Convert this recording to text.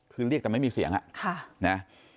คือเรียกแต่ไม่มีเสียงอะนะ